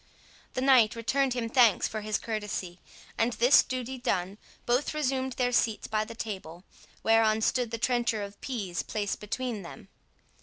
The knight returned him thanks for his courtesy; and, this duty done, both resumed their seats by the table, whereon stood the trencher of pease placed between them.